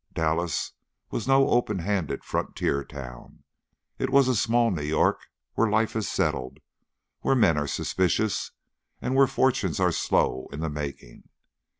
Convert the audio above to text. Dallas was no open handed frontier town; it was a small New York, where life is settled, where men are suspicious, and where fortunes are slow in the making.